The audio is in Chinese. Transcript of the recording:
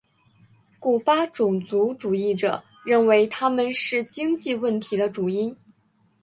古巴种族主义者认为他们是经济问题的主因。